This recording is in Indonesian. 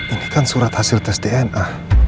ini kan surat hasil tes dna